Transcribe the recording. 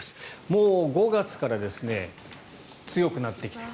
もう５月から強くなってきている。